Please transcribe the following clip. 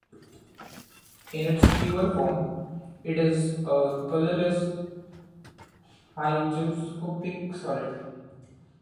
In its pure form, it is a colourless hygroscopic solid.